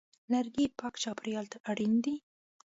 لرګی پاک چاپېریال ته اړین دی.